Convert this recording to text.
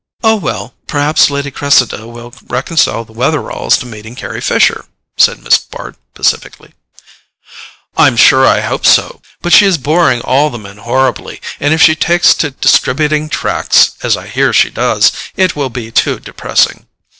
"Oh, well, perhaps Lady Cressida will reconcile the Wetheralls to meeting Carry Fisher," said Miss Bart pacifically. "I'm sure I hope so! But she is boring all the men horribly, and if she takes to distributing tracts, as I hear she does, it will be too depressing.